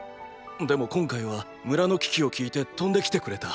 でも今回は村の危機を聞いて飛んで来てくれた。